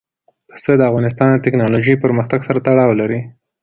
پسه د افغانستان د تکنالوژۍ پرمختګ سره تړاو لري.